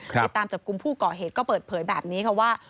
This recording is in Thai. ติดตามจับกลุ่มผู้ก่อเหตุก็เปิดเผยแบบนี้ค่ะว่า